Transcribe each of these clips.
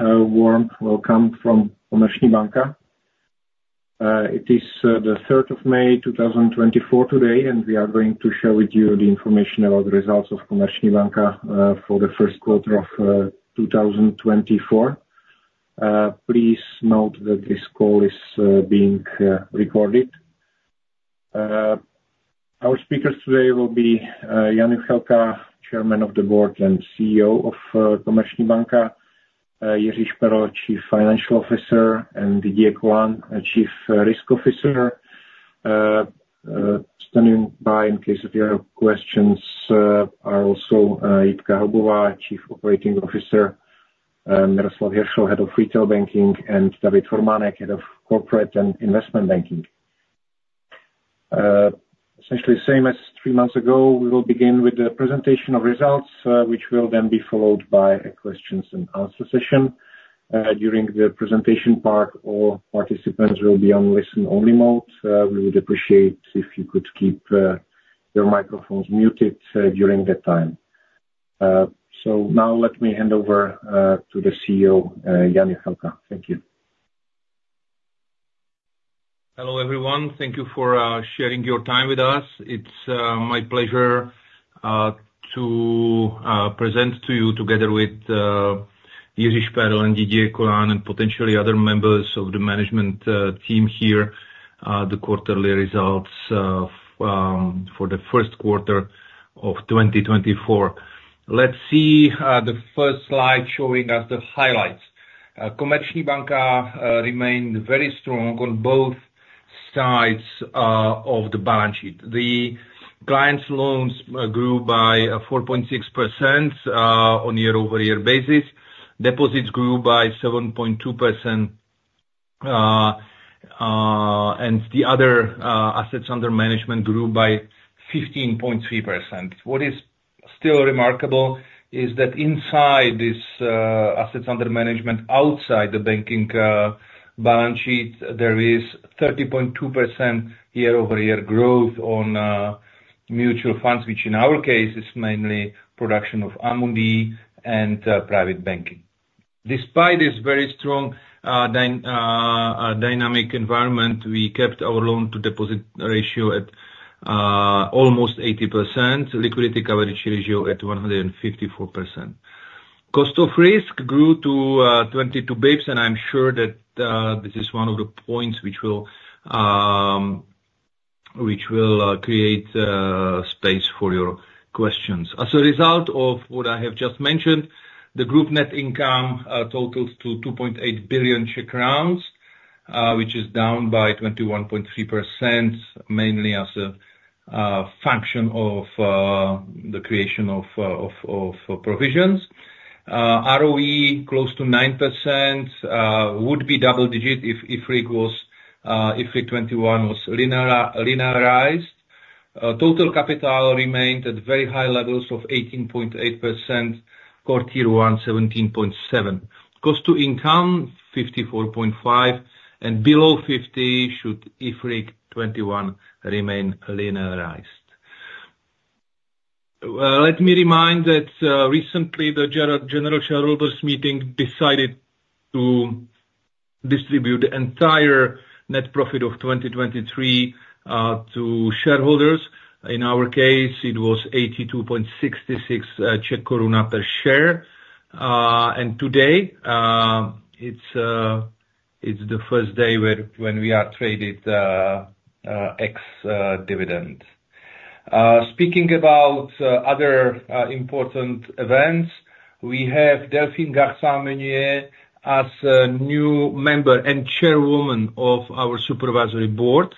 A warm welcome from Komerční banka. It is the third of May, 2024 today, and we are going to share with you the information about the results of Komerční banka for the first quarter of 2024. Please note that this call is being recorded. Our speakers today will be Jan Juchelka, Chairman of the Board and CEO of Komerční banka, Jiří Šperl, Chief Financial Officer, and Didier Colin, Chief Risk Officer. Standing by in case if you have questions are also Jitka Haubová, Chief Operating Officer, Miroslav Hiršl, Head of Retail Banking, and David Formánek, Head of Corporate and Investment Banking. Essentially same as three months ago, we will begin with the presentation of results, which will then be followed by a questions and answer session. During the presentation part, all participants will be on listen-only mode. We would appreciate if you could keep your microphones muted during that time. So now let me hand over to the CEO, Jan Juchelka. Thank you. Hello, everyone. Thank you for sharing your time with us. It's my pleasure to present to you together with Jiří Šperl and Didier Colin, and potentially other members of the management team here the quarterly results for the first quarter of 2024. Let's see the first slide showing us the highlights. Komerční banka remained very strong on both sides of the balance sheet. The client's loans grew by 4.6% on year-over-year basis. Deposits grew by 7.2% and the other assets under management grew by 15.3%. What is still remarkable is that inside this, assets under management, outside the banking, balance sheet, there is 30.2% year-over-year growth on, mutual funds, which in our case, is mainly production of Amundi and, private banking. Despite this very strong, dynamic environment, we kept our loan to deposit ratio at, almost 80%, liquidity coverage ratio at 154%. Cost of risk grew to, 22 basis points, and I'm sure that, this is one of the points which will, which will, create, space for your questions. As a result of what I have just mentioned, the group net income, totals to 2.8 billion Czech crowns, which is down by 21.3%, mainly as a, function of, the creation of, of provisions. ROE, close to 9%, would be double digit if, if IFRIC 21 was linearized. Total capital remained at very high levels of 18.8%, core tier one, 17.7%. Cost to income, 54.5%, and below 50% should IFRIC 21 remain linearized. Let me remind that recently, the general shareholders' meeting decided to distribute the entire net profit of 2023 to shareholders. In our case, it was 82.66 Czech koruna per share. And today, it's the first day when we are traded ex-dividend. Speaking about other important events, we have Delphine Garcin-Meunier as a new member and chairwoman of our supervisory board.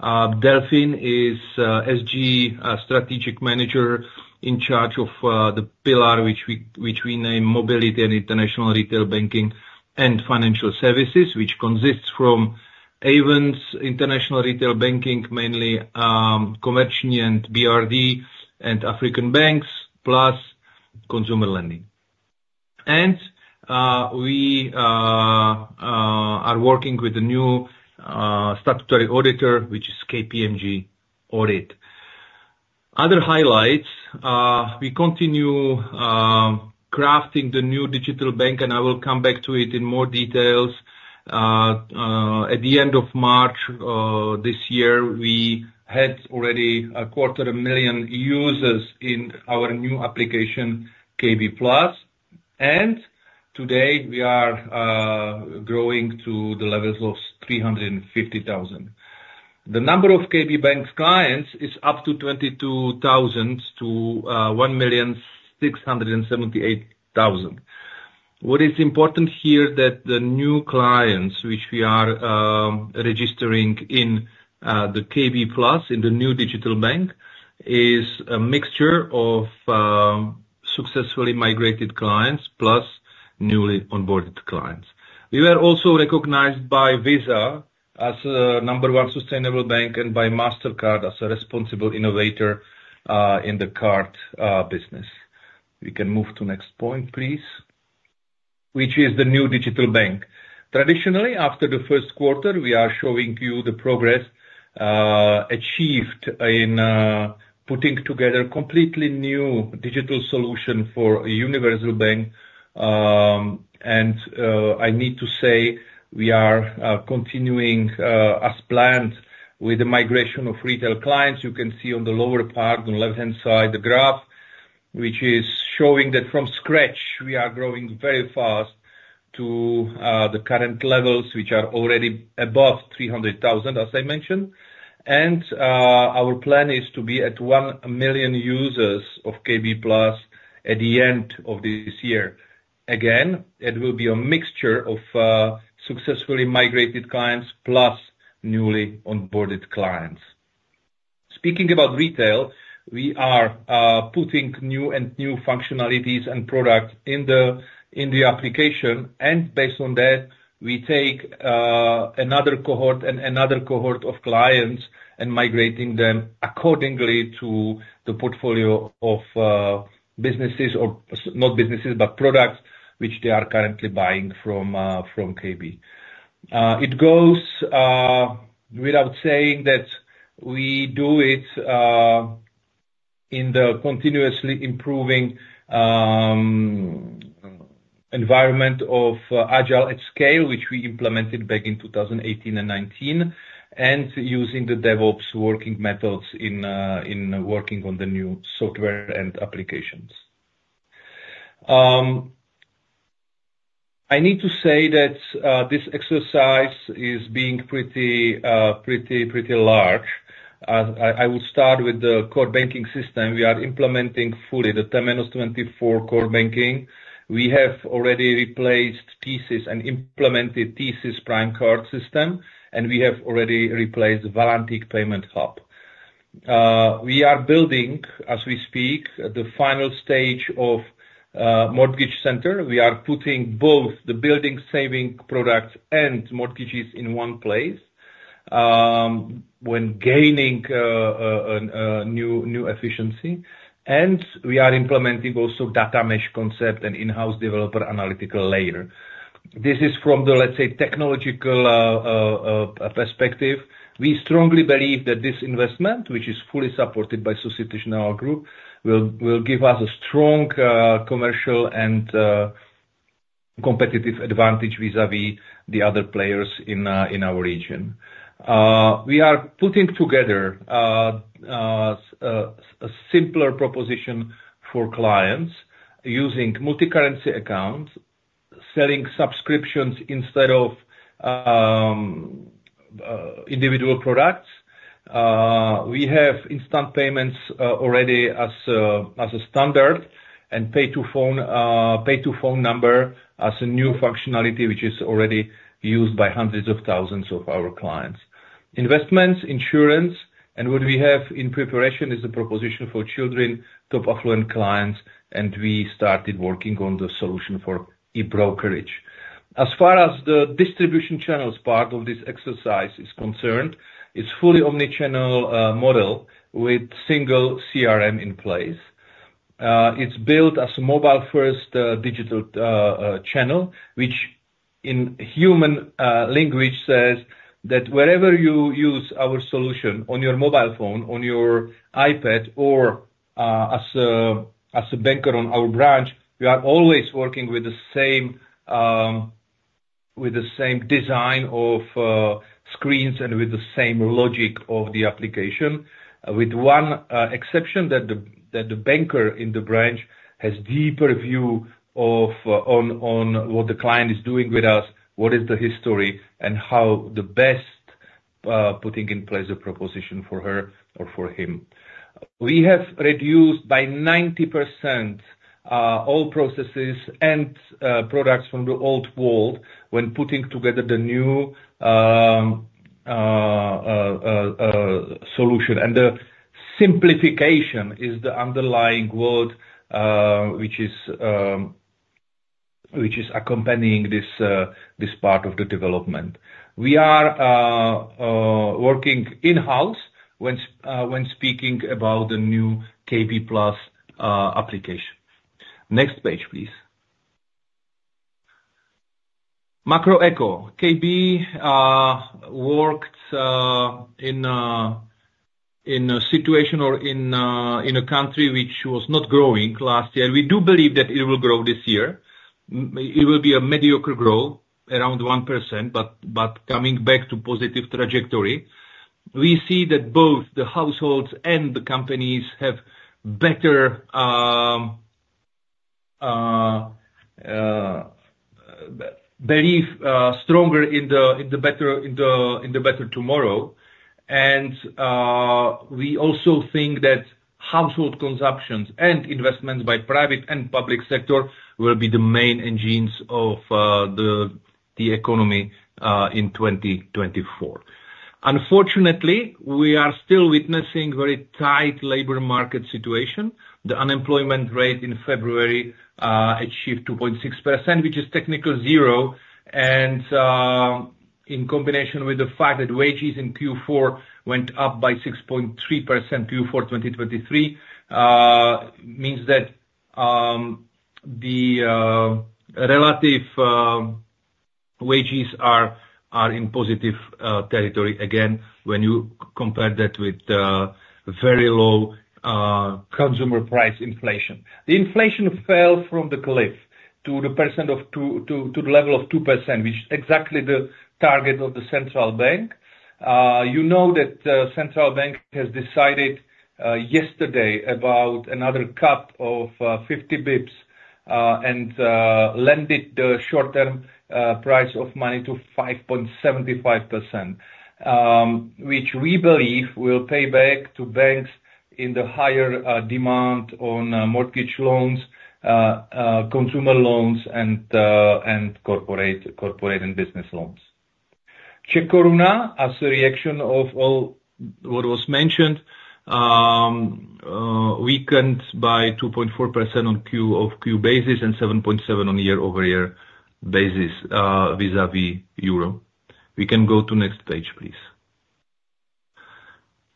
Delphine is SG strategic manager in charge of the pillar, which we, which we name mobility and international retail banking and financial services, which consists from Ayvens, International Retail Banking, mainly, Komerční and BRD and African banks, plus consumer lending. We are working with the new statutory auditor, which is KPMG Audit. Other highlights, we continue crafting the new digital bank, and I will come back to it in more details. At the end of March this year, we had already 250,000 users in our new application, KB Plus, and today we are growing to the levels of 350,000. The number of KB Bank's clients is up to 22,000 to 1,678,000. What is important here that the new clients, which we are registering in the KB Plus, in the new digital bank, is a mixture of successfully migrated clients plus newly onboarded clients. We were also recognized by Visa as the number one sustainable bank and by Mastercard as a responsible innovator in the card business. We can move to next point, please, which is the new digital bank. Traditionally, after the first quarter, we are showing you the progress achieved in putting together completely new digital solution for a universal bank. And I need to say, we are continuing as planned, with the migration of retail clients. You can see on the lower part, on the left-hand side, the graph, which is showing that from scratch, we are growing very fast to the current levels, which are already above 300,000, as I mentioned. And our plan is to be at 1 million users of KB Plus at the end of this year. Again, it will be a mixture of successfully migrated clients, plus newly onboarded clients. Speaking about retail, we are putting new and new functionalities and products in the application, and based on that, we take another cohort and another cohort of clients and migrating them accordingly to the portfolio of businesses, or not businesses, but products, which they are currently buying from KB. It goes without saying that we do it in the continuously improving environment of Agile at scale, which we implemented back in 2018 and 2019, and using the DevOps working methods in working on the new software and applications. I need to say that this exercise is being pretty large. I would start with the core banking system. We are implementing fully the Temenos T24 core banking. We have already replaced TSYS and implemented TSYS Prime card system, and we have already replaced Valantic payment hub. We are building, as we speak, the final stage of mortgage center. We are putting both the building savings products and mortgages in one place when gaining new efficiency, and we are implementing also Data Mesh concept and in-house developer analytical layer. This is from the, let's say, technological perspective. We strongly believe that this investment, which is fully supported by Société Générale Group, will give us a strong commercial and competitive advantage vis-à-vis the other players in our region. We are putting together a simpler proposition for clients using multi-currency accounts, selling subscriptions instead of individual products. We have instant payments already as a standard, and pay to phone, pay to phone number as a new functionality, which is already used by hundreds of thousands of our clients. Investments, insurance, and what we have in preparation, is a proposition for children, top affluent clients, and we started working on the solution for e-brokerage. As far as the distribution channels part of this exercise is concerned, it's fully omni-channel model with single CRM in place. It's built as a mobile-first digital channel, which in human language says that wherever you use our solution, on your mobile phone, on your iPad, or as a banker on our branch, we are always working with the same design of screens and with the same logic of the application. With one exception, that the banker in the branch has deeper view of what the client is doing with us, what is the history, and how the best putting in place a proposition for her or for him. We have reduced by 90% all processes and products from the old world when putting together the new solution. The simplification is the underlying word which is accompanying this part of the development. We are working in-house when speaking about the new KB Plus application. Next page, please. Macro eco. KB worked in a situation or in a country which was not growing last year. We do believe that it will grow this year. M- It will be a mediocre growth, around 1%, but coming back to positive trajectory. We see that both the households and the companies have better belief stronger in the better tomorrow. We also think that household consumptions and investments by private and public sector will be the main engines of the economy in 2024. Unfortunately, we are still witnessing very tight labor market situation. The unemployment rate in February achieved 2.6%, which is technical zero, and in combination with the fact that wages in Q4 went up by 6.3%, Q4, 2023, means that the relative wages are in positive territory again, when you compare that with very low consumer price inflation. The inflation fell from the cliff to the percent of two, to the level of 2%, which exactly the target of the central bank. You know that central bank has decided yesterday about another cut of 50 basis points, and lowered the short-term price of money to 5.75%. Which we believe will pay back to banks in the higher demand on mortgage loans, consumer loans, and corporate and business loans. Czech koruna, as a reaction of all what was mentioned, weakened by 2.4% on quarter-over-quarter basis, and 7.7% on year-over-year basis, vis-à-vis euro. We can go to next page, please.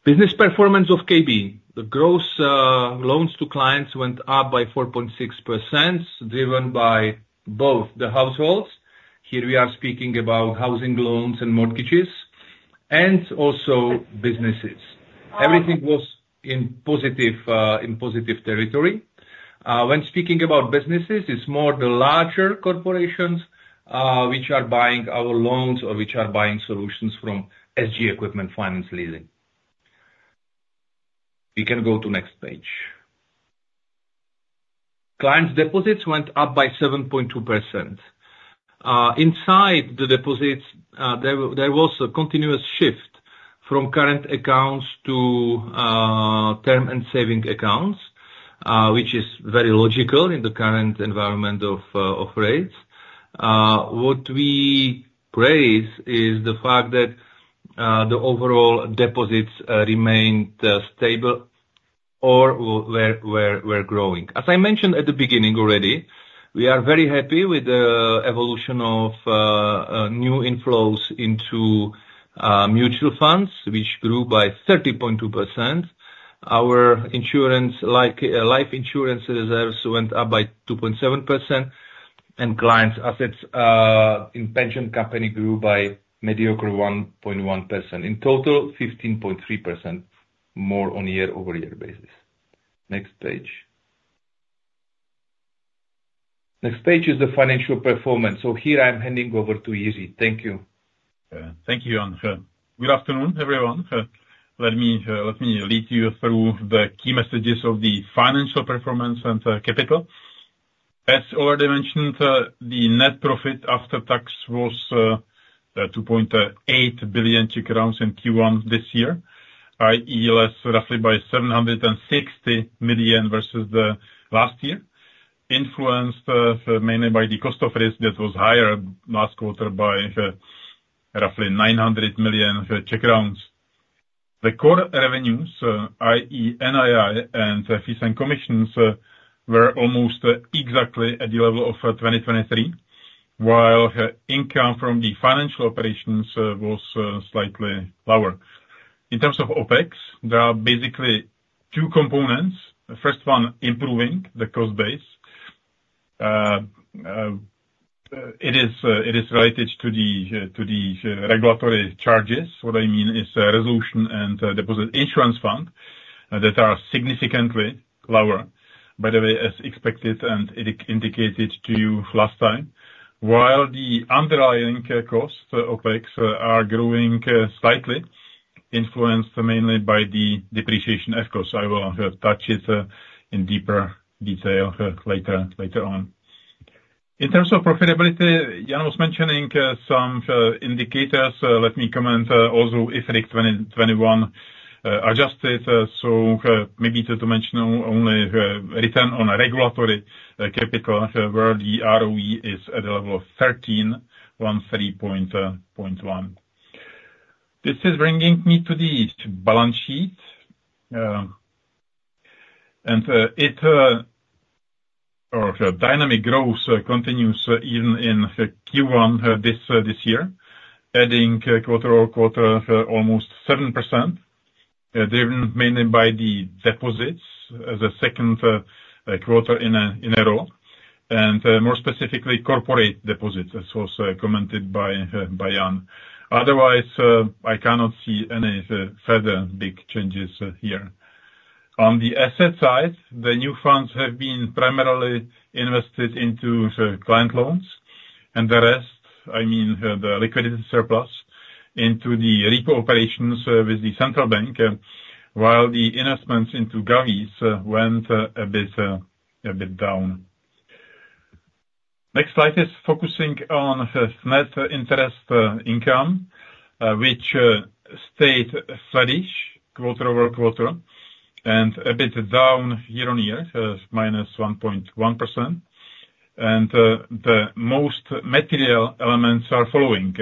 Business performance of KB. The gross loans to clients went up by 4.6%, driven by both the households, here we are speaking about housing loans and mortgages, and also businesses. Everything was in positive territory. When speaking about businesses, it's more the larger corporations which are buying our loans or which are buying solutions from SG Equipment Finance Leasing. We can go to next page. Client deposits went up by 7.2%. Inside the deposits, there was a continuous shift from current accounts to term and savings accounts, which is very logical in the current environment of rates. What we praise is the fact that the overall deposits remained stable or were growing. As I mentioned at the beginning already, we are very happy with the evolution of new inflows into mutual funds, which grew by 30.2%. Our insurance, like, life insurance reserves went up by 2.7%, and clients' assets in pension company grew by mediocre 1.1%. In total, 15.3% more on year-over-year basis. Next page. Next page is the financial performance, so here I'm handing over to Jiří. Thank you. Thank you, Jan. Good afternoon, everyone. Let me lead you through the key messages of the financial performance and capital. As already mentioned, the net profit after tax was 2.8 billion Czech crowns in Q1 this year, i.e., less roughly by 760 million versus the last year, influenced mainly by the cost of risk that was higher last quarter by roughly 900 million. The core revenues, i.e., NII and fees and commissions, were almost exactly at the level of 2023, while income from the financial operations was slightly lower. In terms of OpEx, there are basically two components. The first one, improving the cost base. It is related to the regulatory charges. What I mean is, resolution and deposit insurance fund, that are significantly lower, by the way, as expected, and indicated to you last time. While the underlying cost, OpEx, are growing slightly, influenced mainly by the depreciation FX costs. I will touch it in deeper detail later on. In terms of profitability, Jan was mentioning some indicators. Let me comment also, IFRIC 21 adjusted, so maybe to dimension only return on a regulatory capital, where the ROE is at a level of 13.1. This is bringing me to the balance sheet, and its dynamic growth continues even in Q1 this year, adding quarter-over-quarter almost 7%, driven mainly by the deposits, the second quarter in a row, and more specifically, corporate deposits, as also commented by Jan. Otherwise, I cannot see any further big changes here. On the asset side, the new funds have been primarily invested into the client loans, and the rest, I mean, the liquidity surplus, into the repo operations with the central bank, while the investments into govies went a bit down. Next slide is focusing on the net interest income, which stayed steady quarter-over-quarter, and a bit down year-on-year, minus 1.1%. The most material elements are following.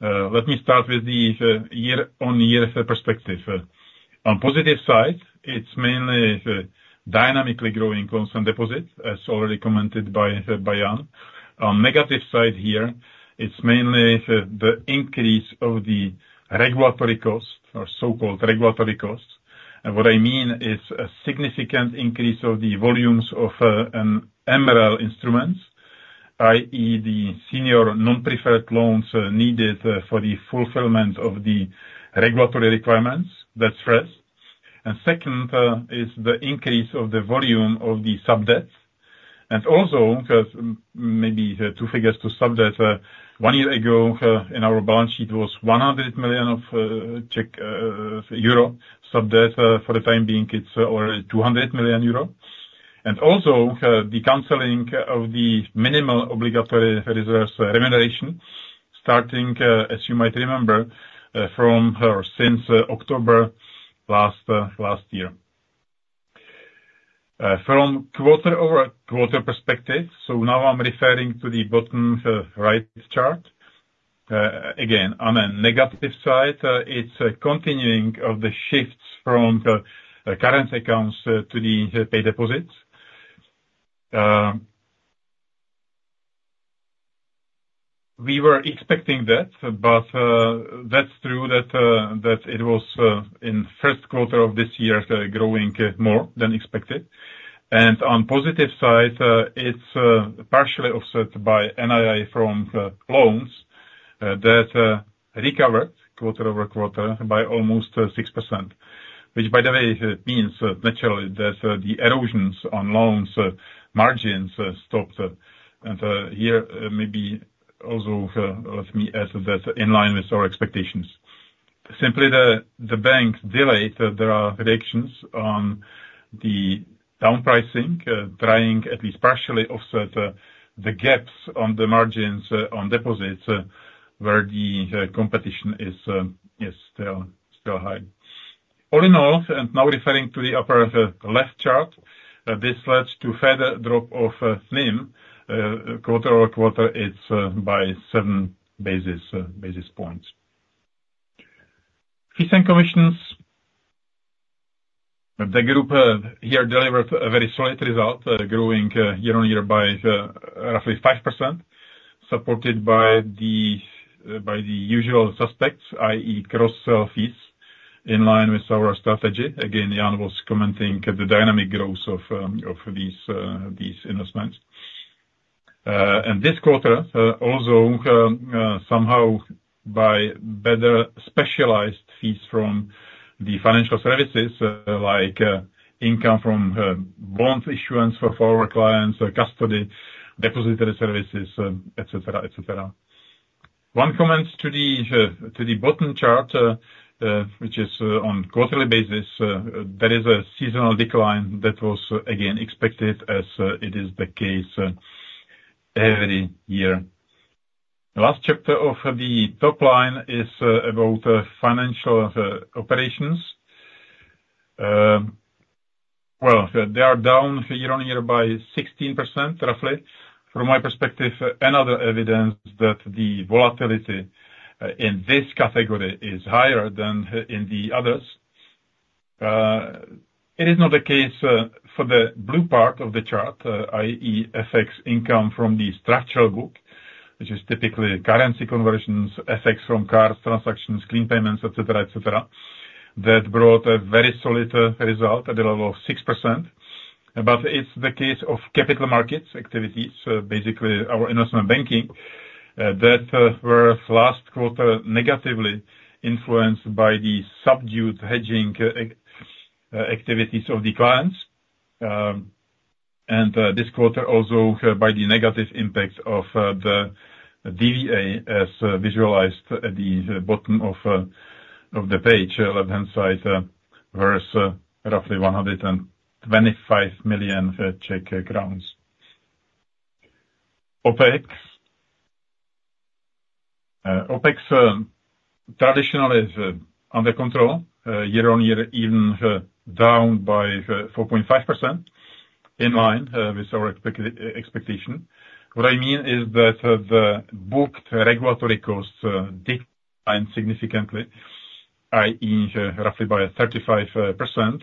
Let me start with the year-on-year perspective. On positive side, it's mainly the dynamically growing client deposit, as already commented by by Jan. On negative side here, it's mainly the increase of the regulatory cost or so-called regulatory cost. And what I mean is a significant increase of the volumes of an MREL instruments, i.e., the senior non-preferred loans, needed for the fulfillment of the regulatory requirements. That's first. And second is the increase of the volume of the sub-debt. And also, maybe two figures to sub-debt, one year ago, in our balance sheet was 100 million of sub-debt. For the time being, it's already 200 million euro. And also, the canceling of the minimal obligatory reserves remuneration, starting, as you might remember, from or since October last year. From quarter-over-quarter perspective, so now I'm referring to the bottom right chart. Again, on a negative side, it's a continuing of the shifts from the current accounts to the term deposits. We were expecting that, but that's true that it was in first quarter of this year growing more than expected. And on positive side, it's partially offset by NII from loans that recovered quarter-over-quarter by almost 6%. Which by the way means naturally that the erosions on loans margins stopped. And here maybe also let me add that in line with our expectations. Simply the bank delayed there are reductions on the down pricing trying at least partially offset the gaps on the margins on deposits where the competition is still high. All in all, and now referring to the upper left chart, this led to further drop of NIM. Quarter-over-quarter, it's by seven basis points. Fees and commissions. The group here delivered a very slight result, growing year-on-year by roughly 5%, supported by the usual suspects, i.e., cross-sell fees, in line with our strategy. Again, Jan was commenting the dynamic growth of these investments. And this quarter also somehow by better specialized fees from the financial services, like income from bond issuance for our clients, custody, depository services, et cetera, et cetera. One comment to the bottom chart, which is on quarterly basis, there is a seasonal decline that was again expected, as it is the case every year. The last chapter of the top line is about financial operations. Well, they are down year-on-year by 16%, roughly. From my perspective, another evidence that the volatility in this category is higher than in the others. It is not the case for the blue part of the chart, i.e., FX income from the structural book, which is typically currency conversions, FX from cards, transactions, clean payments, et cetera, et cetera. That brought a very solid result at the level of 6%. But it's the case of capital markets activities, basically our investment banking, that were last quarter negatively influenced by the subdued hedging activities of the clients. And this quarter, also by the negative impact of the DVA, as visualized at the bottom of the page, left-hand side, where it's roughly CZK 125 million. OpEx traditionally is under control year-on-year, even down by 4.5%, in line with our expectation. What I mean is that the booked regulatory costs declined significantly, i.e., roughly by 35%.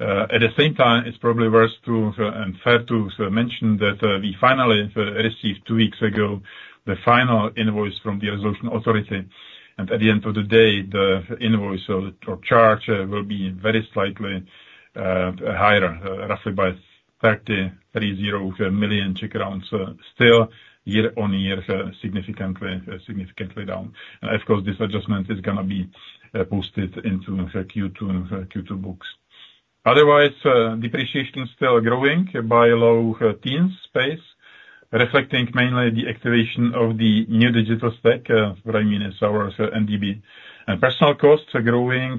At the same time, it's probably worth to and fair to mention that we finally received two weeks ago the final invoice from the resolution authority. And at the end of the day, the invoice or charge will be very slightly higher, roughly by 330 million, still year-on-year significantly down. And of course, this adjustment is gonna be posted into the Q2 books. Otherwise, depreciation still growing by low-teens pace, reflecting mainly the activation of the new digital stack. What I mean is our NDB. Personnel costs are growing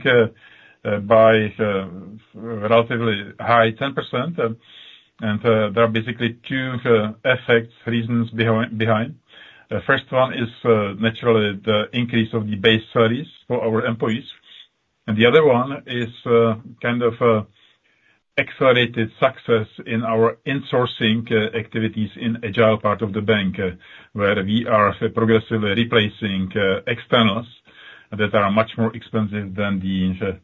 by relatively high 10%. And there are basically two effects, reasons behind. The first one is naturally the increase of the base salaries for our employees, and the other one is kind of accelerated success in our insourcing activities in agile part of the bank, where we are progressively replacing externals that are much more expensive than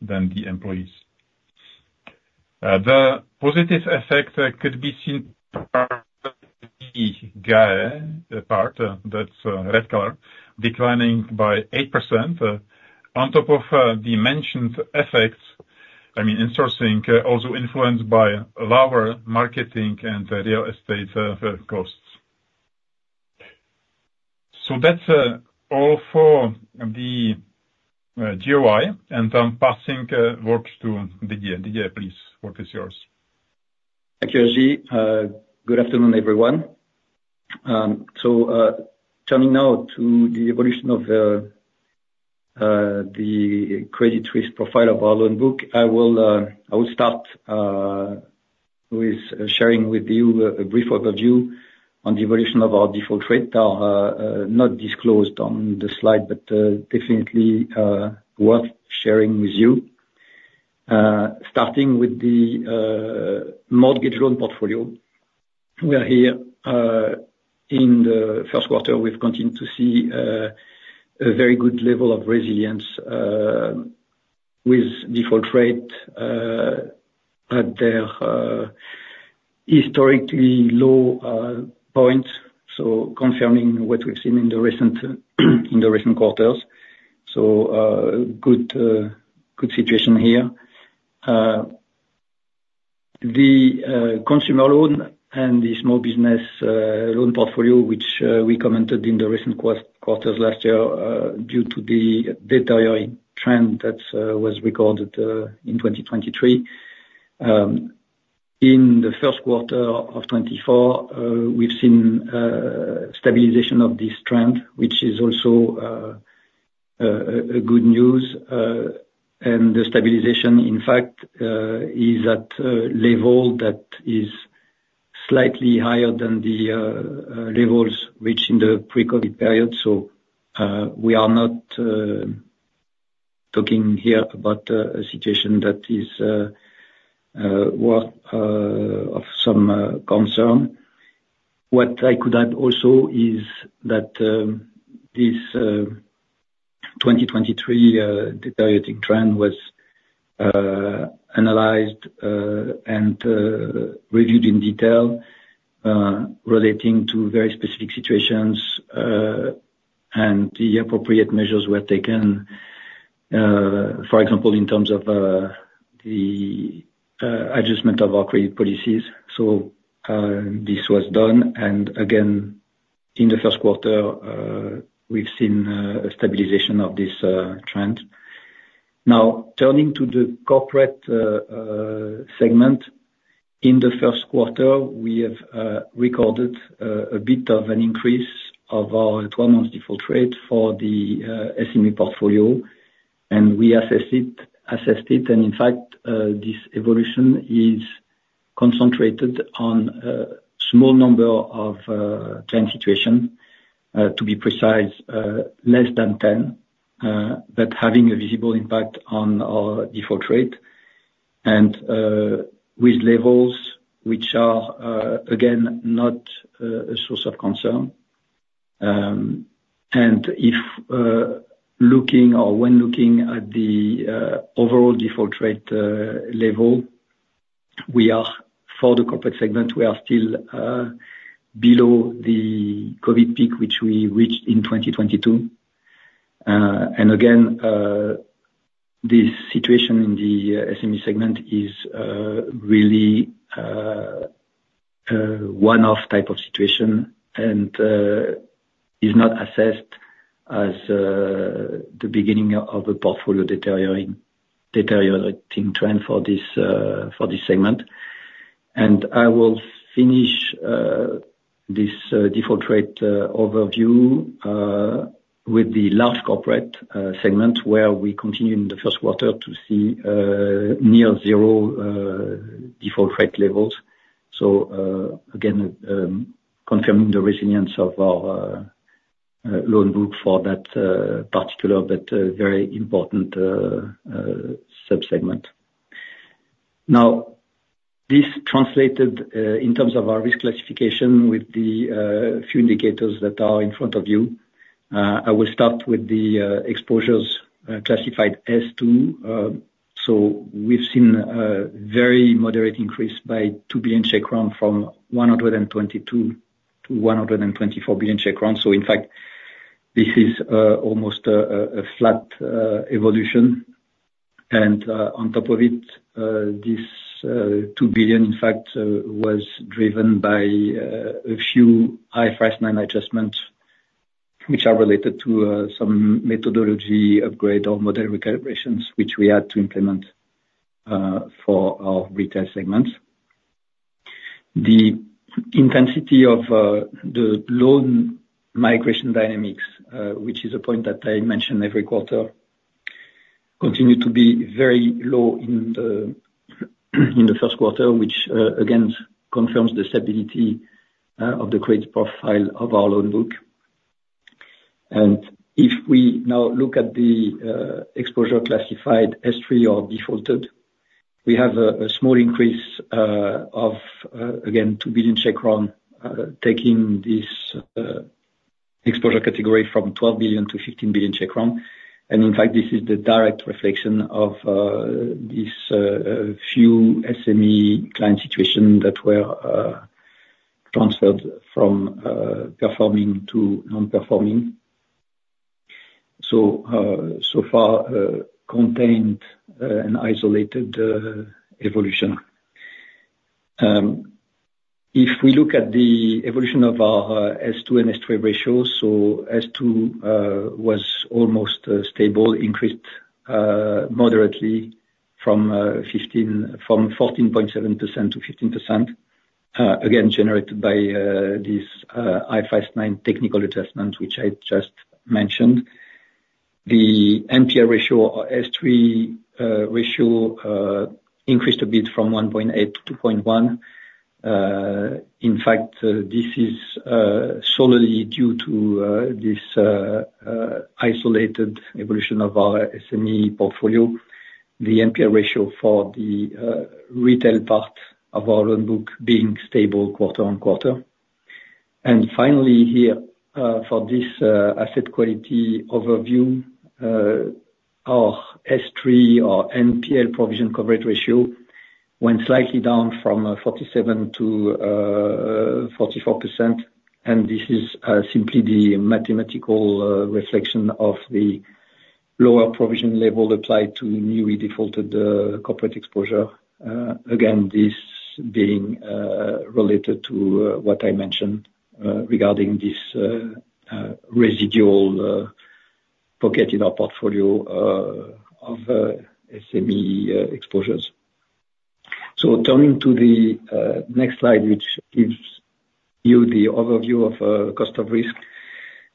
the employees. The positive effect could be seen in the gray part, that's red color, declining by 8%, on top of the mentioned effects, I mean, insourcing also influenced by lower marketing and real estate costs. So that's all for the GOI, and I'm passing work to Didier. Didier, please, the floor is yours. Thank you, Jiří. Good afternoon, everyone. So, turning now to the evolution of the credit risk profile of our loan book, I will start with sharing with you a brief overview on the evolution of our default rate, not disclosed on the slide, but definitely worth sharing with you. Starting with the mortgage loan portfolio, we are here in the first quarter, we've continued to see a very good level of resilience with default rate at the historically low points, so confirming what we've seen in the recent quarters. So, good situation here. The consumer loan and the small business loan portfolio, which we commented in the recent quarters last year, due to the deteriorating trend that was recorded in 2023. In the first quarter of 2024, we've seen stabilization of this trend, which is also a good news. And the stabilization, in fact, is at a level that is slightly higher than the levels reached in the pre-COVID period, so we are not talking here about a situation that is worth of some concern. What I could add also is that this 2023 deteriorating trend was analyzed and reviewed in detail relating to very specific situations and the appropriate measures were taken for example in terms of the adjustment of our credit policies. So this was done and again in the first quarter we've seen a stabilization of this trend. Now turning to the corporate segment. In the first quarter, we have recorded a bit of an increase of our 12-month default rate for the SME portfolio, and we assessed it, assessed it, and in fact this evolution is concentrated on a small number of trend situation, to be precise, less than 10, but having a visible impact on our default rate and with levels which are, again, not a source of concern. And if looking or when looking at the overall default rate level, we are... for the corporate segment, we are still below the COVID peak, which we reached in 2022. And again, the situation in the SME segment is really one-off type of situation, and is not assessed as the beginning of a portfolio deteriorating, deteriorating trend for this for this segment. I will finish this default rate overview with the last corporate segment, where we continue in the first quarter to see near zero default rate levels. So again, confirming the resilience of our loan book for that particular, but very important sub-segment. Now, this translated in terms of our risk classification with the few indicators that are in front of you. I will start with the exposures classified S2. So we've seen a very moderate increase by 2 billion Czech crown from 122 billion to 124 billion Czech crown. So in fact, this is almost a flat evolution. And on top of it, this two billion, in fact, was driven by a few IFRS 9 adjustments, which are related to some methodology upgrade or model recalibrations, which we had to implement for our retail segments. The intensity of the loan migration dynamics, which is a point that I mention every quarter, continue to be very low in the first quarter, which again confirms the stability of the credit profile of our loan book. If we now look at the exposure classified S3 or defaulted, we have a small increase of again 2 billion, taking this exposure category from 12 billion to 15 billion. In fact, this is the direct reflection of this few SME client situation that were transferred from performing to non-performing. So far, contained an isolated evolution. If we look at the evolution of our S2 and S3 ratio, so S2 was almost stable, increased moderately from 14.7% to 15%, again generated by this IFRS 9 technical adjustment, which I just mentioned. The NPL ratio, or S3 ratio, increased a bit from 1.8% to 2.1%. In fact, this is solely due to this isolated evolution of our SME portfolio, the NPL ratio for the retail part of our loan book being stable quarter-on-quarter. And finally, here, for this asset quality overview, our S3 or NPL provision coverage ratio went slightly down from 47% to 44%, and this is simply the mathematical reflection of the lower provision level applied to newly defaulted corporate exposure. Again, this being related to what I mentioned regarding this residual pocket in our portfolio of SME exposures. So turning to the next slide, which gives you the overview of cost of risk.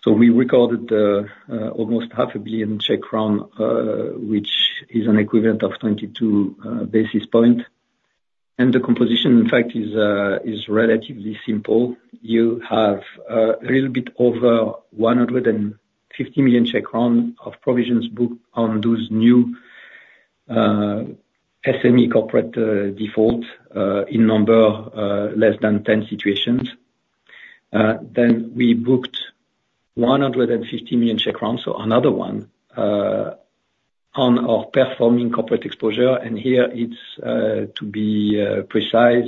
So we recorded almost 500 million, which is an equivalent of 22 basis points. The composition, in fact, is relatively simple. You have a little bit over 150 million Czech crown of provisions booked on those new SME corporate default in number less than ten situations. Then we booked 150 million, so another one on our performing corporate exposure, and here it's to be precise,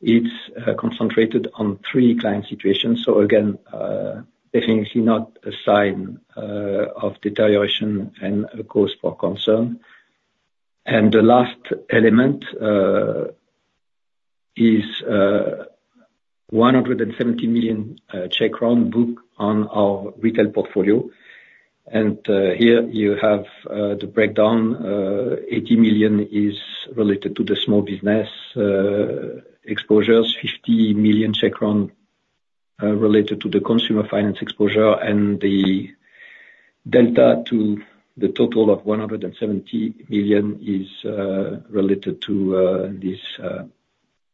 it's concentrated on three client situations. So again definitely not a sign of deterioration and a cause for concern. The last element is 170 million booked on our retail portfolio. And here you have the breakdown. 80 million is related to the small business exposures, 50 million related to the consumer finance exposure, and the delta to the total ofCZK 170 million is related to this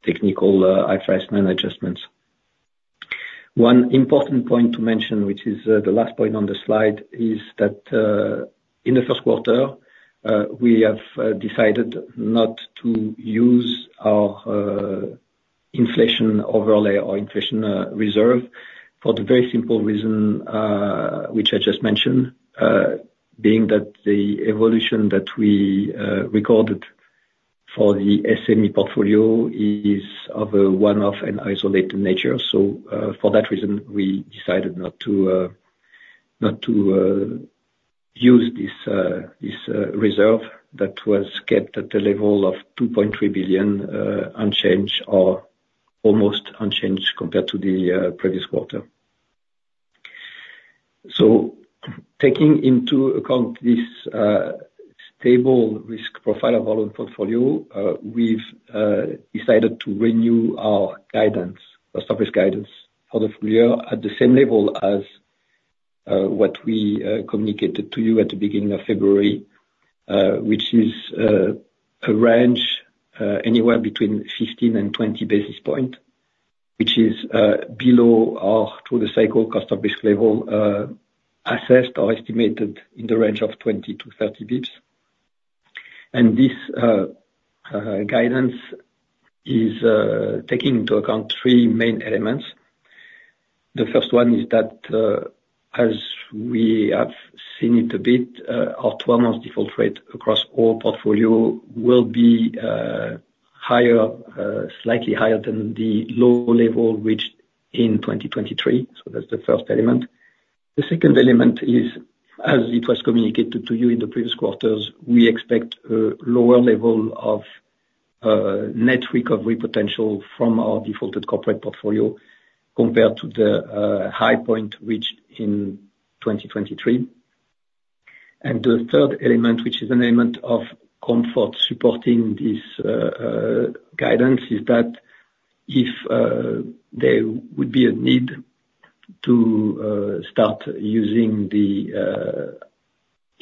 technical IFRS 9 adjustments. One important point to mention, which is the last point on the slide, is that in the first quarter we have decided not to use our inflation overlay or inflation reserve, for the very simple reason which I just mentioned being that the evolution that we recorded for the SME portfolio is of a one-off and isolated nature. So, for that reason, we decided not to use this reserve that was kept at the level of 2.3 billion, unchanged or almost unchanged compared to the previous quarter. So taking into account this stable risk profile of our loan portfolio, we've decided to renew our guidance, our service guidance for the full year at the same level as what we communicated to you at the beginning of February, which is a range anywhere between 15-20 basis point, which is below or through the cycle cost of risk level, assessed or estimated in the range of 20-30 basis points. And this guidance is taking into account three main elements. The first one is that, as we have seen it a bit, our 12-month default rate across all portfolio will be, higher, slightly higher than the low level reached in 2023. So that's the first element. The second element is, as it was communicated to you in the previous quarters, we expect a lower level of, net recovery potential from our defaulted corporate portfolio compared to the, high point reached in 2023. And the third element, which is an element of comfort supporting this, guidance, is that if, there would be a need to, start using the,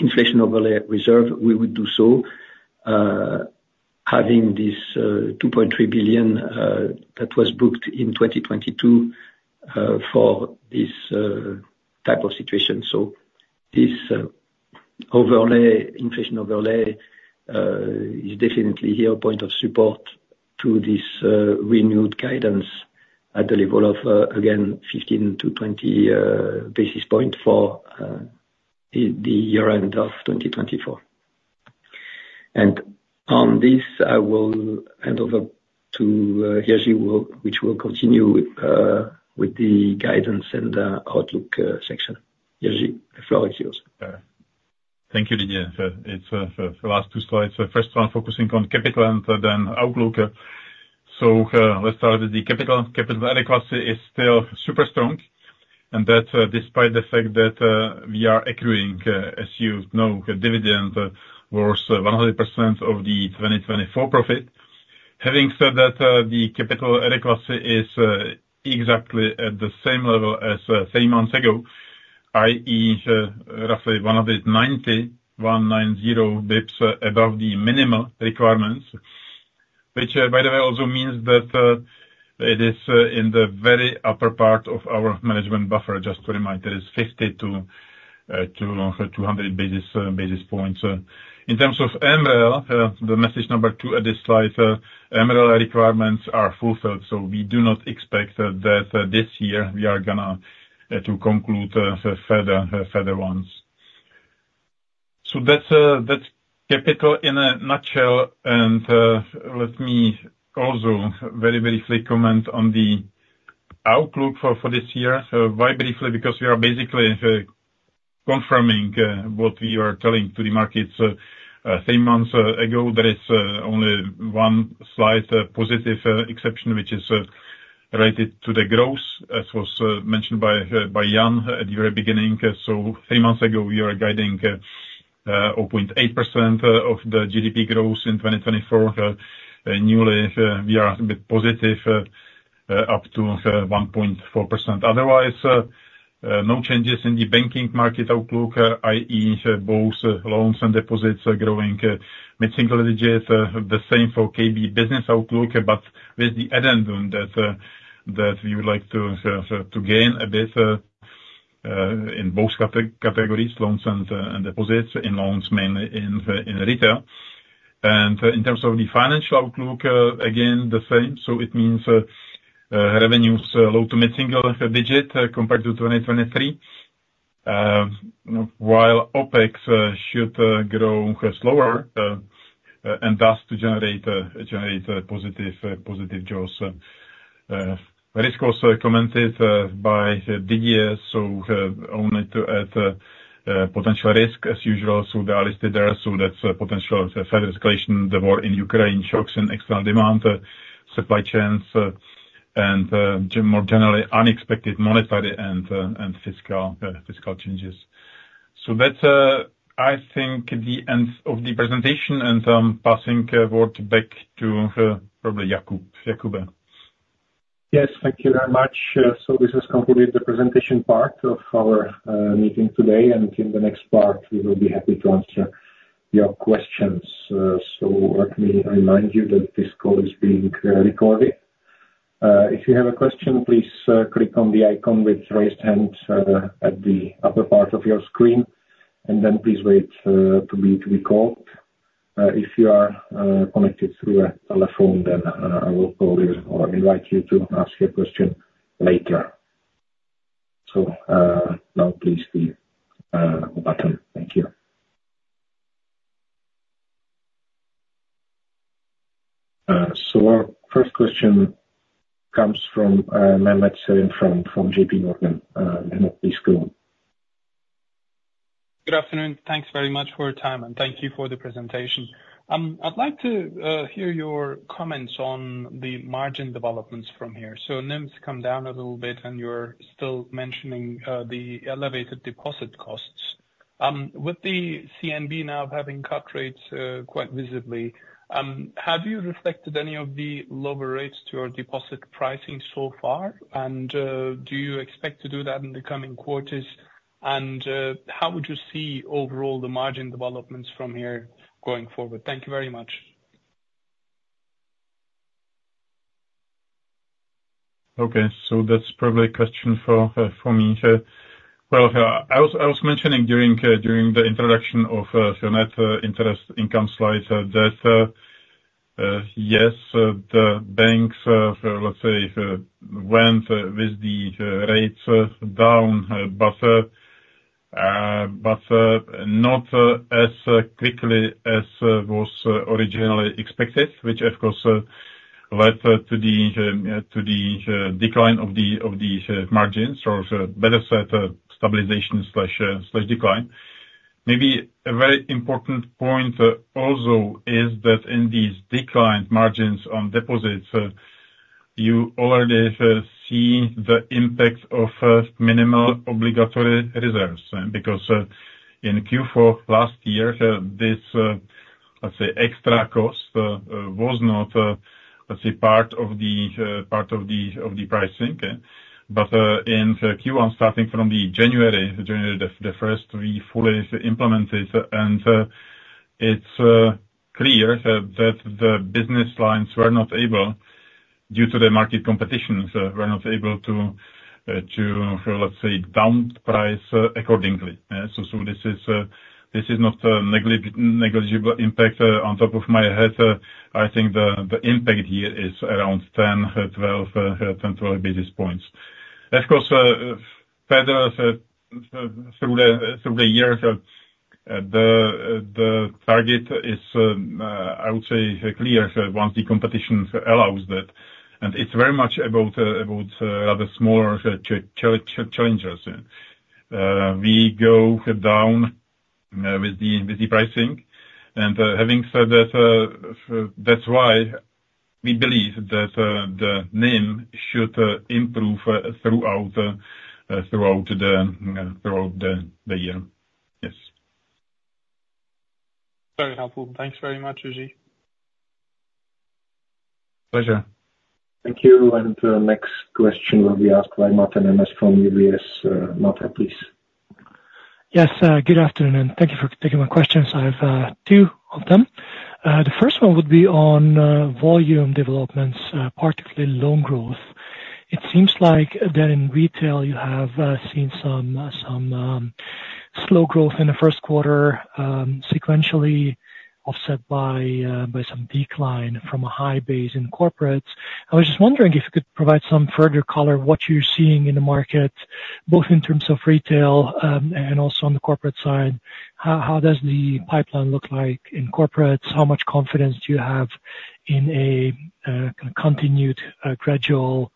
inflation overlay reserve, we would do so, having this, 2.3 billion, that was booked in 2022, for this, type of situation. So this overlay, inflation overlay, is definitely here a point of support to this renewed guidance at the level of, again, 15-20 basis point for the year end of 2024. And on this, I will hand over to Jiří, who will continue with the guidance and outlook section. Jiří, the floor is yours. Thank you, Didier. So it's for last two slides, the first one focusing on capital and then outlook. So, let's start with the capital. Capital adequacy is still super strong, and that despite the fact that we are accruing, as you know, dividend worth 100% of the 2024 profit. Having said that, the capital adequacy is exactly at the same level as three months ago, i.e., roughly 190 basis points above the minimum requirements. Which, by the way, also means that it is in the very upper part of our management buffer. Just to remind, there is 50-200 basis points. In terms of MREL, the message number two at this slide, MREL requirements are fulfilled, so we do not expect that this year we are gonna to conclude further ones. So that's capital in a nutshell. And let me also very briefly comment on the outlook for this year. So very briefly, because we are basically confirming what we are telling to the markets three months ago, there is only one slight positive exception, which is related to the growth, as was mentioned by Jan at the very beginning. So three months ago, we were guiding 0.8% of the GDP growth in 2024. Newly, we are a bit positive, up to 1.4%. Otherwise, no changes in the banking market outlook, i.e., both loans and deposits are growing, mid-single digits. The same for KB business outlook, but with the addendum that, that we would like to, to gain a bit, in both categories, loans and, and deposits, in loans mainly in, in retail. And in terms of the financial outlook, again, the same. So it means, revenues low- to mid-single-digit compared to 2023, while OpEx should grow slower, and thus to generate, generate a positive, positive growth. Risk also commented, by Didier, so, only to add, potential risk as usual. So they are listed there, so that's a potential further escalation, the war in Ukraine, shocks in external demand, supply chains, and more generally, unexpected monetary and fiscal changes. So that's, I think, the end of the presentation, and I'm passing word back to probably Jakub. Jakub. Yes, thank you very much. So this has concluded the presentation part of our meeting today, and in the next part, we will be happy to answer your questions. So let me remind you that this call is being recorded. If you have a question, please click on the icon with raised hands at the upper part of your screen, and then please wait to be called. If you are connected through a telephone, then I will call you or invite you to ask your question later. So, now please the button. Thank you. So our first question comes from Mehmet Sevim from JPMorgan. Mehmet, please go on. Good afternoon, thanks very much for your time, and thank you for the presentation. I'd like to hear your comments on the margin developments from here. So NIMS come down a little bit, and you're still mentioning the elevated deposit costs. With the CNB now having cut rates quite visibly, have you reflected any of the lower rates to your deposit pricing so far? And do you expect to do that in the coming quarters? And how would you see overall the margin developments from here going forward? Thank you very much. Okay, so that's probably a question for me. Well, I was mentioning during the introduction of the net interest income slide that yes, the banks, let's say, went with the rates down, but not as quickly as was originally expected, which of course led to the decline of the margins, or better said, stabilization slash decline. Maybe a very important point also is that in these declined margins on deposits, you already see the impact of minimal obligatory reserves. Because in Q4 last year, this, let's say, extra cost was not, let's say, part of the pricing. But in Q1, starting from January 1st, we fully implemented it, and it's clear that the business lines were not able, due to the market competition, to down price accordingly. So this is not a negligible impact, off the top of my head. I think the impact here is around 10-12 basis points. Of course, further through the years, the target is, I would say, clear, once the competition allows that. And it's very much about other smaller challenges. We go down with the pricing, and having said that, that's why we believe that the NIM should improve throughout the year. Yes. Very helpful. Thanks very much, Jiří. Pleasure. Thank you, and the next question will be asked by Mate Nemes from UBS. Mate, please. Yes, good afternoon, and thank you for taking my questions. I have two of them. The first one would be on volume developments, particularly loan growth. It seems like that in retail you have seen some slow growth in the first quarter, sequentially offset by some decline from a high base in corporates. I was just wondering if you could provide some further color, what you're seeing in the market, both in terms of retail and also on the corporate side. How does the pipeline look like in corporates? How much confidence do you have in a continued gradual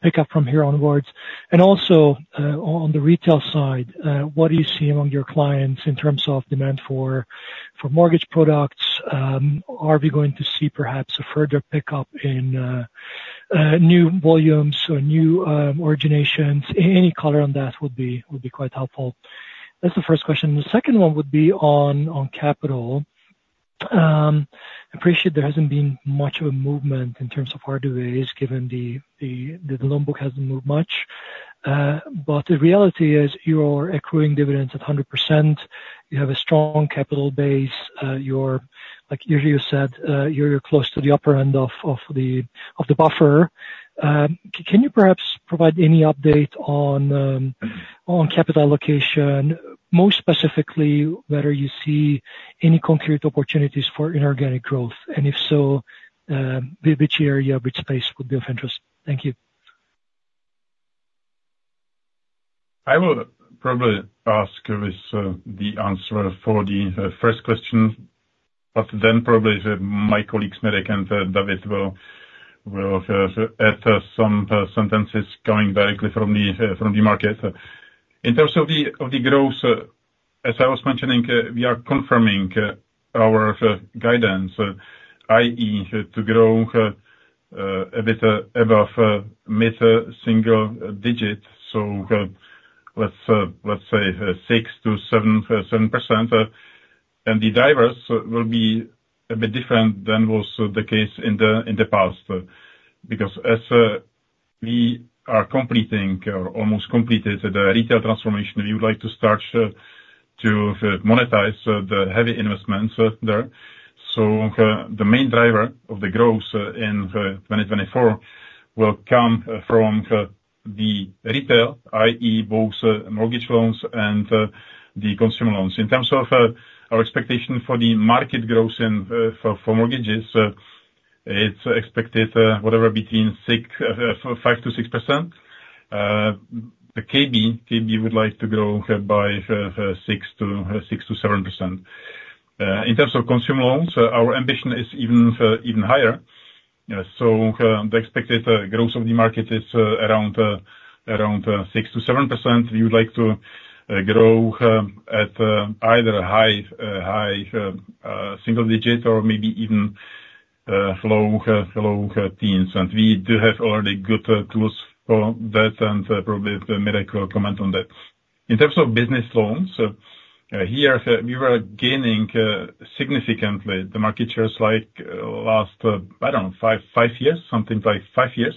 pickup from here onwards? And also, on the retail side, what do you see among your clients in terms of demand for mortgage products? Are we going to see perhaps a further pickup in new volumes or new originations? Any color on that would be quite helpful. That's the first question. The second one would be on capital. Appreciate there hasn't been much of a movement in terms of hard dividends, given the loan book hasn't moved much. But the reality is you're accruing dividends at 100%. You have a strong capital base. You're, like earlier you said, you're close to the upper end of the buffer. Can you perhaps provide any update on capital allocation, most specifically, whether you see any concrete opportunities for inorganic growth, and if so, which area, which space would be of interest? Thank you. I will probably ask with the answer for the first question, but then probably my colleagues, Mirek and David, will add some sentences going directly from the market. In terms of the growth, as I was mentioning, we are confirming our guidance, i.e., to grow a bit above mid-single digit. So, let's say 6 to 7, 7%. And the drivers will be a bit different than was the case in the past, because as we are completing or almost completed the retail transformation, we would like to start to monetize the heavy investments there. So, the main driver of the growth in 2024 will come from the retail, i.e., both mortgage loans and the consumer loans. In terms of our expectation for the market growth in for mortgages, it's expected, whatever, between 5%-6%. The KB would like to grow by 6%-7%. In terms of consumer loans, our ambition is even higher. So, the expected growth of the market is around 6%-7%. We would like to grow at either high single digit or maybe even low teens. We do have already good tools for that, and probably Mirek will comment on that. In terms of business loans, here we were gaining significantly. The market shares, like last, I don't know, five years, something like five years.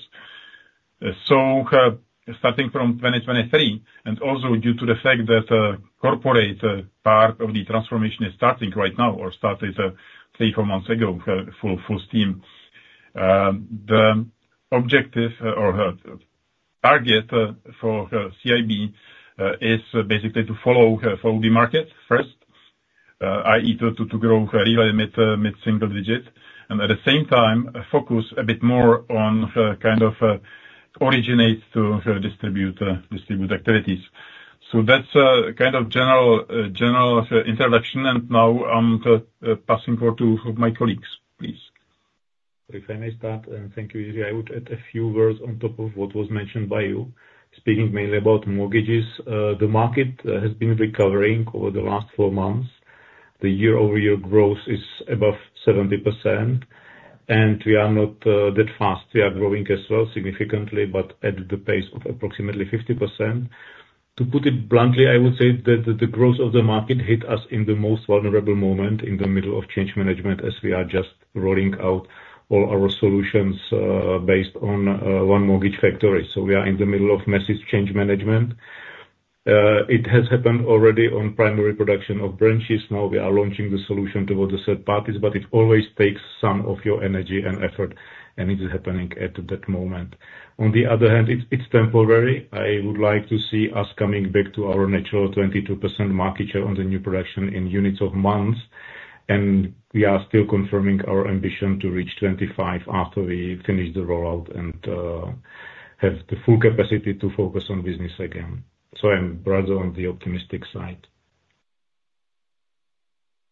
Starting from 2023, and also due to the fact that corporate part of the transformation is starting right now, or started three or four months ago, full steam. The objective or target for CIB is basically to follow the market first, i.e., to grow really mid single digit, and at the same time, focus a bit more on kind of originate to distribute activities. So that's a kind of general introduction, and now I'm passing over to my colleagues. Please. If I may start, and thank you, Jiří, I would add a few words on top of what was mentioned by you. Speaking mainly about mortgages, the market has been recovering over the last four months. The year-over-year growth is above 70% and we are not that fast. We are growing as well, significantly, but at the pace of approximately 50%. To put it bluntly, I would say that the growth of the market hit us in the most vulnerable moment, in the middle of change management, as we are just rolling out all our solutions based on one mortgage factory. So we are in the middle of massive change management. It has happened already on primary production of branches. Now we are launching the solution toward the third parties, but it always takes some of your energy and effort, and it is happening at that moment. On the other hand, it's temporary, I would like to see us coming back to our natural 22% market share on the new production in units of months, and we are still confirming our ambition to reach 25 after we finish the rollout and have the full capacity to focus on business again. So I'm rather on the optimistic side.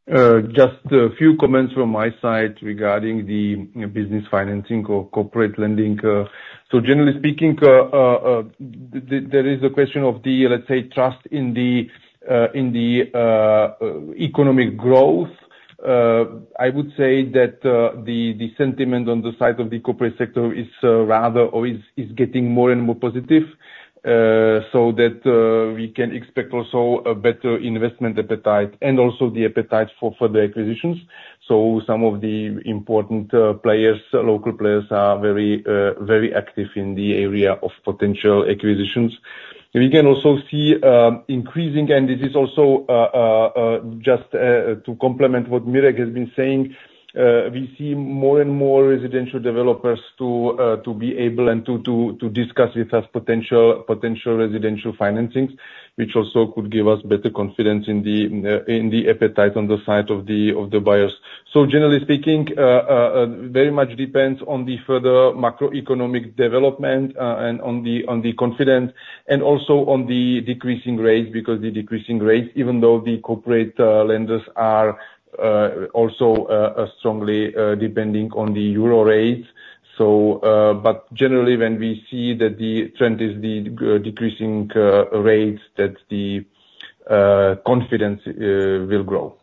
Just a few comments from my side regarding the business financing or corporate lending. So generally speaking, there is a question of the, let's say, trust in the economic growth. I would say that the sentiment on the side of the corporate sector is rather or is getting more and more positive. So that we can expect also a better investment appetite, and also the appetite for further acquisitions. So some of the important players, local players, are very very active in the area of potential acquisitions. We can also see increasing, and this is also just to complement what Mirek has been saying, we see more and more residential developers to be able to discuss with us potential residential financings, which also could give us better confidence in the appetite on the side of the buyers. So generally speaking, very much depends on the further macroeconomic development, and on the confidence, and also on the decreasing rates. Because the decreasing rates, even though the corporate lenders are also strongly depending on the euro rates. So but generally, when we see that the trend is the decreasing rates, that the confidence will grow.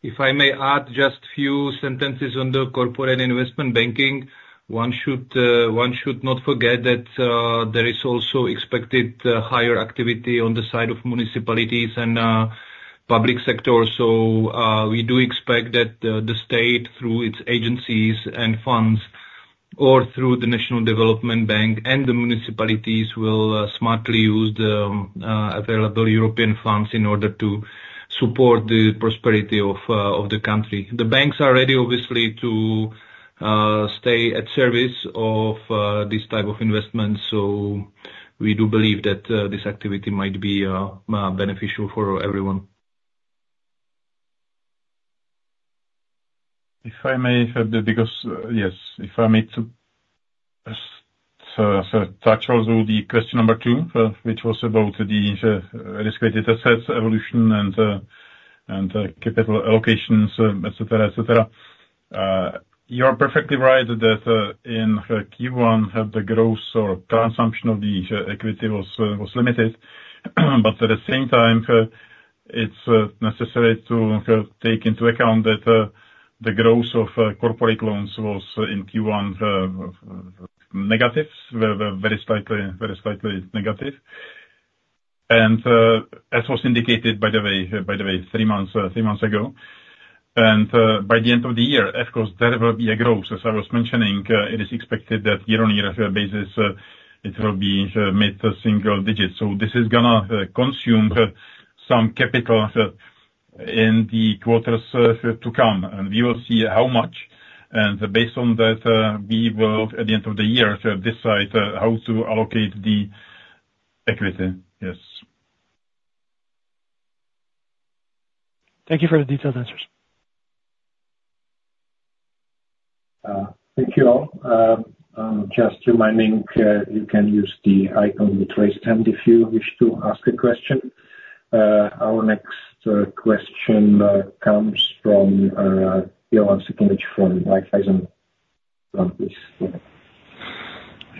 If I may add just few sentences on the corporate investment banking. One should not forget that there is also expected higher activity on the side of municipalities and public sector. So, we do expect that the state, through its agencies and funds, or through the National Development Bank, and the municipalities, will smartly use the available European funds in order to support the prosperity of the country. The banks are ready, obviously, to stay at service of this type of investment, so we do believe that this activity might be beneficial for everyone. If I may, because, yes, if I may, to sort of touch also the question number 2, which was about the risk-weighted assets evolution and, and capital allocations, et cetera, et cetera. You are perfectly right that, in Q1, the growth or consumption of the equity was limited. But at the same time, it's necessary to take into account that the growth of corporate loans was, in Q1, negative, very slightly, very slightly negative. And, as was indicated, by the way, by the way, 3 months ago, and, by the end of the year, of course, there will be a growth. As I was mentioning, it is expected that year-on-year basis, it will be mid-to single digits. So this is gonna consume some capital in the quarters to come, and we will see how much. And based on that, we will, at the end of the year, decide how to allocate the equity. Yes. Thank you for the detailed answers. Thank you, all. Just reminding you can use the icon with raised hand if you wish to ask a question. Our next question comes from Jovan Sikimic from Raiffeisen.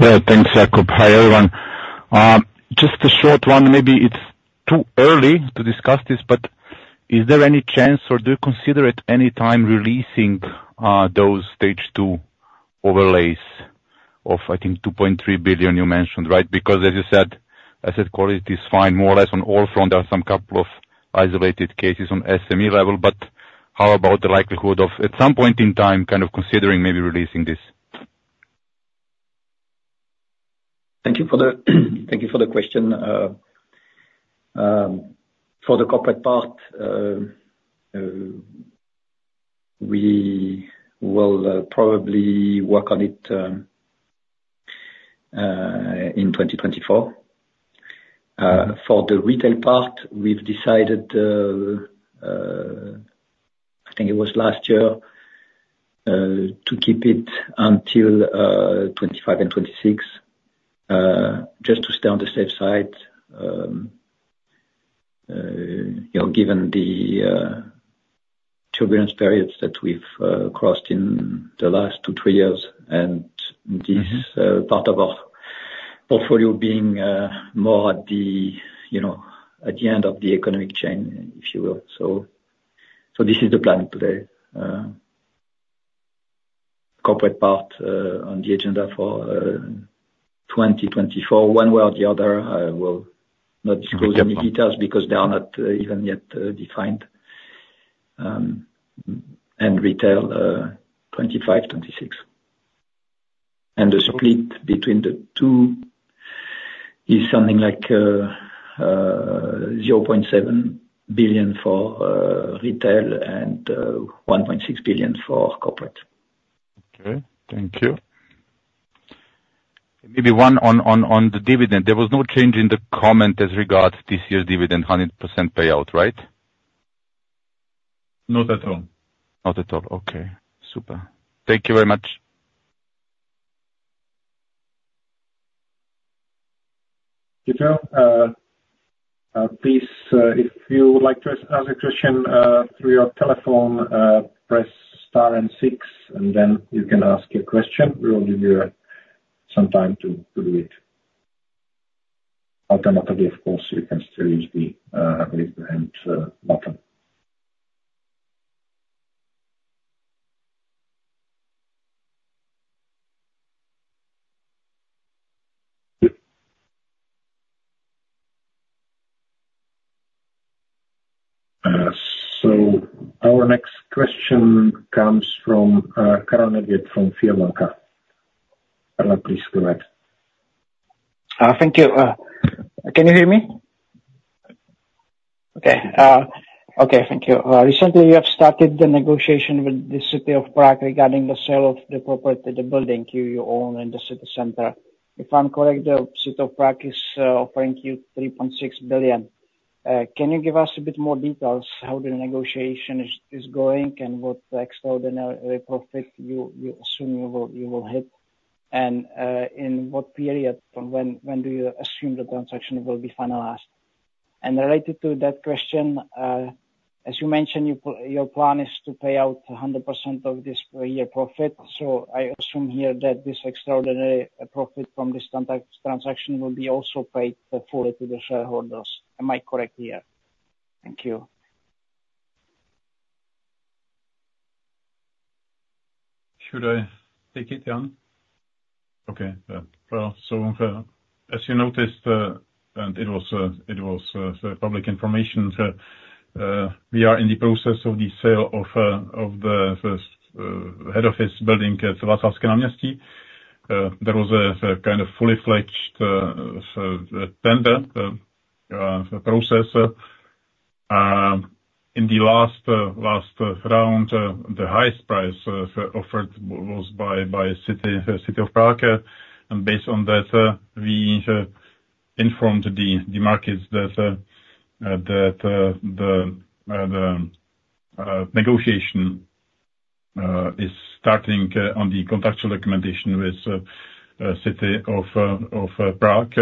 Yeah, thanks, Jakub. Hi, everyone. Just a short one. Maybe it's too early to discuss this, but is there any chance, or do you consider at any time, releasing those stage two overlays of, I think, 2.3 billion you mentioned, right? Because as you said, asset quality is fine more or less on all front. There are some couple of isolated cases on SME level, but how about the likelihood of, at some point in time, kind of considering maybe releasing this? Thank you for the question. For the corporate part, we will probably work on it in 2024. For the retail part, we've decided, I think it was last year, to keep it until 2025 and 2026, just to stay on the safe side. You know, given the turbulence periods that we've crossed in the last two, three years, and this part of our portfolio being, more at the, you know, at the end of the economic chain, if you will. So, this is the plan today. Corporate part, on the agenda for, 2024. One way or the other, I will not disclose any details because they are not, even yet, defined. And retail, 2025, 2026. And the split between the two is something like, 0.7 billion for, retail and, 1.6 billion for corporate. Okay, thank you. Maybe one on the dividend. There was no change in the comment as regard this year's dividend, 100% payout, right? Not at all. Not at all. Okay, super. Thank you very much. Peter, please, if you would like to ask a question through your telephone, press star and six, and then you can ask your question. We will give you some time to do it. Alternatively, of course, you can still use the raise your hand button. So our next question comes from. please go ahead. Thank you. Can you hear me? Okay, okay, thank you. Recently, you have started the negotiation with the City of Prague regarding the sale of the property, the building you own in the city center. If I'm correct, the City of Prague is offering you 3.6 billion. Can you give us a bit more details how the negotiation is going, and what extraordinary profit you assume you will hit? And, in what period from when do you assume the transaction will be finalized? And related to that question, as you mentioned, your plan is to pay out 100% of this year profit, so I assume here that this extraordinary profit from this transaction will be also paid in full to the shareholders. Am I correct here? Thank you. Should I take it, Jan? Okay. Well, so, as you noticed, and it was public information, we are in the process of the sale of the first head office building. There was a kind of fully fledged process. In the last round, the highest price offered was by the City of Prague. And based on that, we informed the markets that the negotiation is starting on the contractual recommendation with the City of Prague.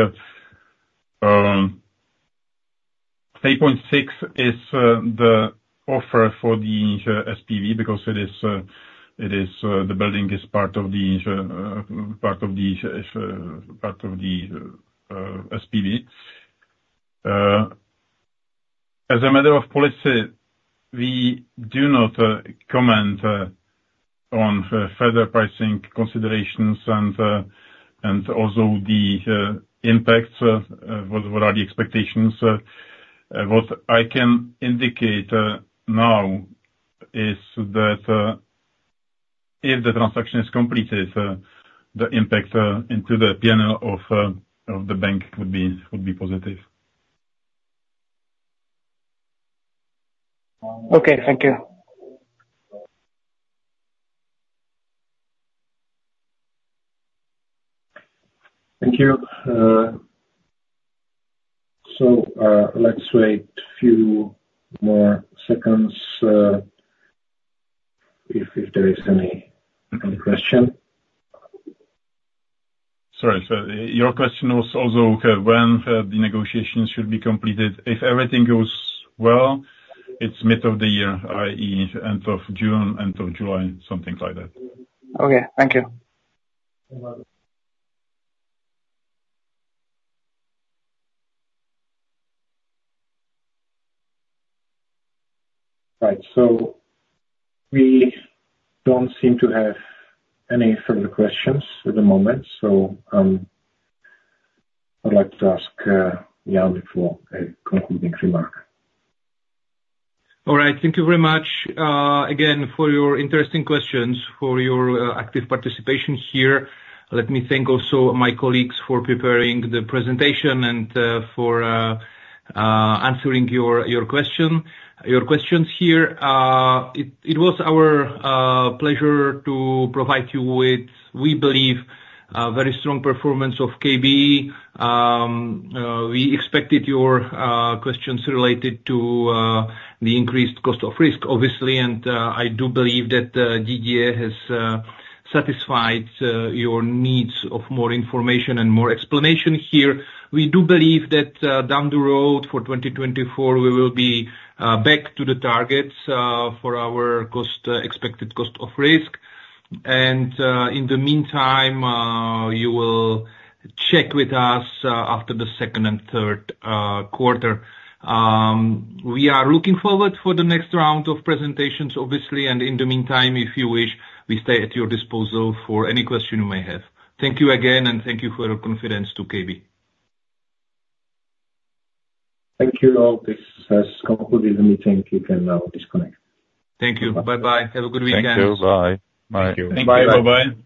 8.6 is the offer for the SPV because the building is part of the SPV. As a matter of policy, we do not comment on further pricing considerations and also the impacts, what are the expectations. What I can indicate now is that if the transaction is completed, the impact into the PNL of the bank would be positive. Okay. Thank you. Thank you. So, let's wait a few more seconds if there is any question. Sorry, so your question was also when the negotiations should be completed? If everything goes well, it's mid of the year, i.e., end of June, end of July, something like that. Okay, thank you. Right. So we don't seem to have any further questions at the moment, so, I'd like to ask Jan for a concluding remark. All right. Thank you very much again for your interesting questions, for your active participation here. Let me thank also my colleagues for preparing the presentation and for answering your questions here. It was our pleasure to provide you with, we believe, a very strong performance of KB. We expected your questions related to the increased cost of risk, obviously, and I do believe that Didier has satisfied your needs of more information and more explanation here. We do believe that down the road, for 2024, we will be back to the targets for our expected cost of risk. And in the meantime, you will check with us after the second and third quarter. We are looking forward for the next round of presentations, obviously, and in the meantime, if you wish, we stay at your disposal for any question you may have. Thank you again, and thank you for your confidence to KB. Thank you all. This has concluded the meeting. You can now disconnect. Thank you. Bye-bye. Have a good weekend. Thank you. Bye. Bye. Thank you. Bye-bye.